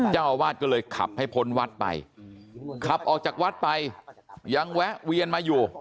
เจ้าอาวาสก็เลยขับให้พ้นวัดไปขับออกจากวัดไปยังแวะเวียนมาอยู่